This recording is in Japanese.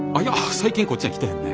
最近こっちは来てへんで。